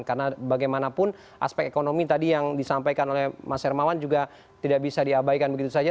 karena bagaimanapun aspek ekonomi tadi yang disampaikan oleh mas hermawan juga tidak bisa diabaikan begitu saja